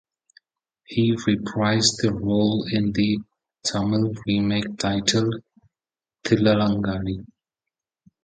He reprised the role in the Tamil remake, titled "Thillalangadi".